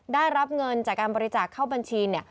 ได้รับเงินจากการบริจาคเข้าบัญชี